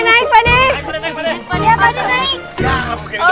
naik pak de naik pak de